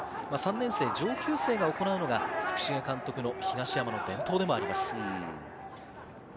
３年生、上級生が行うのが福重監督の東山の伝統でもあります。